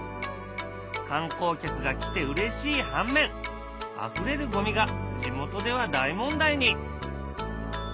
観光客が来てうれしい反面あふれるゴミが地元では大問題に。